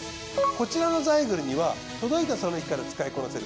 こちらのザイグルには届いたその日から使いこなせる